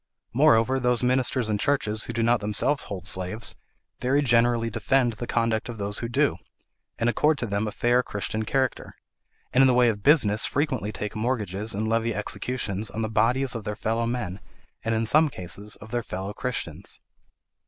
Moreover, those ministers and churches who do not themselves hold slaves, very generally defend the conduct of those who do, and accord to them a fair Christian character, and in the way of business frequently take mortgages and levy executions on the bodies of their fellow men, and in some cases of their fellow Christians.